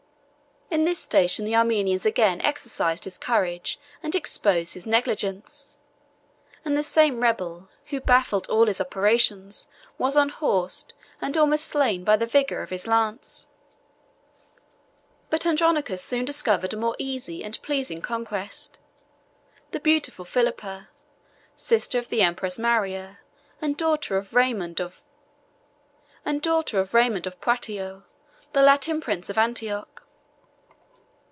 In this station the Armenians again exercised his courage and exposed his negligence; and the same rebel, who baffled all his operations, was unhorsed, and almost slain by the vigor of his lance. But Andronicus soon discovered a more easy and pleasing conquest, the beautiful Philippa, sister of the empress Maria, and daughter of Raymond of Poitou, the Latin prince of Antioch.